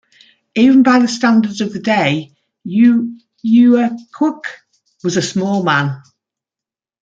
Even by the standards of the day, Uyaquk was a small man.